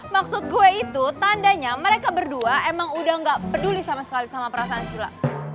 maksud gue itu tandanya mereka berdua emang udah gak peduli sama sekali sama perasaan sila